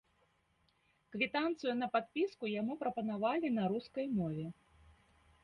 Квітанцыю на падпіску яму прапанавалі на рускай мове.